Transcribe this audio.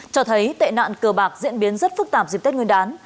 cho thấy tệ nạn cờ bạc diễn biến rất phức tạp dịp tết nguyên đán